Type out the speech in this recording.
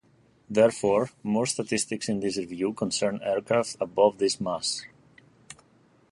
Therefore, most statistics in this review concern aircraft above this mass.